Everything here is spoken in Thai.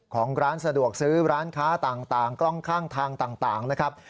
ของร้านสะดวกซื้อร้านค้าต่างกล้องข้างทางต่างนะครับ